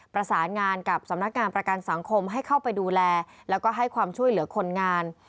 ประสานงานกับสำนักงานประกันสังคมให้เข้าไปดูแลแล้วก็ให้ความช่วยเหลือคนงาน